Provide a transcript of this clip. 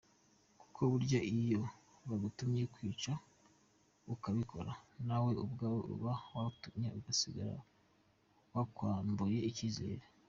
Kuko burya iyo bagutumye kwica ukabikora, nawe ubwawe abo bagutumye basigara bakwambuye icyizere.